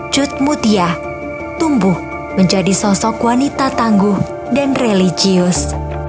cut mutia tumbuh menjadi sosok wanita tangguh dan religius